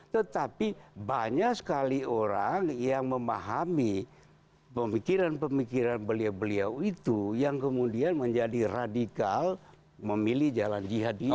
tetapi banyak sekali orang yang memahami pemikiran pemikiran beliau beliau itu yang kemudian menjadi radikal memilih jalan jihad itu